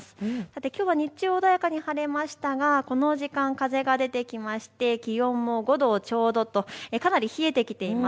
きょうは日中、穏やかに晴れましたがこの時間、風が出てきまして気温も５度ちょうどとかなり冷えてきています。